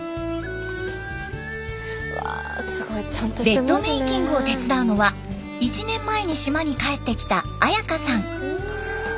ベッドメイキングを手伝うのは１年前に島に帰ってきた彩花さん。